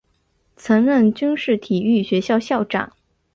曾任军事体育学校校长。